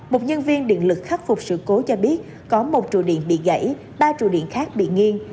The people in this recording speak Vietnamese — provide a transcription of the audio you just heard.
một nhân viên điện lực khắc phục sự cố cho biết có một trụ điện bị gãy ba trụ điện khác bị nghiêng